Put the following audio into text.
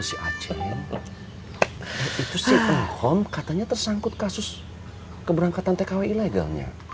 itu sih om katanya tersangkut kasus keberangkatan tkw ilegalnya